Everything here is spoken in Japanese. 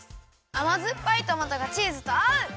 あまずっぱいトマトがチーズとあう！